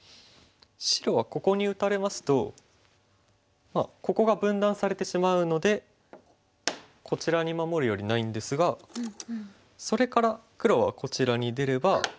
白はここに打たれますとここが分断されてしまうのでこちらに守るよりないんですがそれから黒はこちらに出れば。